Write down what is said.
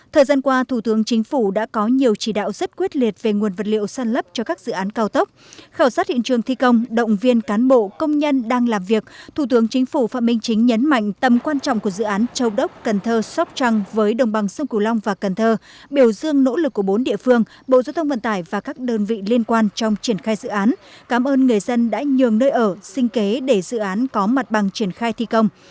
thời gian qua thủ tướng chính phủ đã có nhiều chỉ đạo rất quyết liệt về nguồn vật liệu sàn lấp cho các dự án cao tốc khảo sát hiện trường thi công động viên cán bộ công nhân đang làm việc thủ tướng chính phủ phạm minh chính nhấn mạnh tầm quan trọng của dự án châu đốc cần thơ sóc trăng với đồng bằng sông củng long và cần thơ biểu dương nỗ lực của bốn địa phương bộ giao thông vận tải và các đơn vị liên quan trong triển khai dự án cảm ơn người dân đã nhường nơi ở xin kế để dự án có mặt bằng triển khai thi công